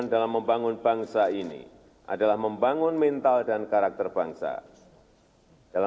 dan cnn indonesia bersatu